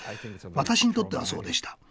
私にとってはそうでした。